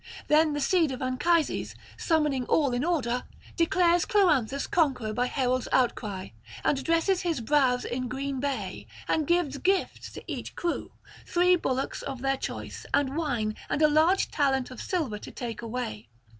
Then the seed of Anchises, summoning all in order, declares Cloanthus conqueror by herald's outcry, and dresses his brows in green bay, and gives gifts to each crew, three bullocks of their choice, and wine, and a large talent of silver to take away.